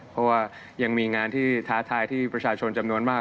เพราะว่ายังมีงานที่ท้าทายที่ประชาชนจำนวนมาก